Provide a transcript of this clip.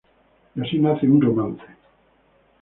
Y ahí nace un romance.